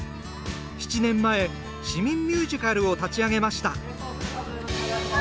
７年前、市民ミュージカルを立ち上げました。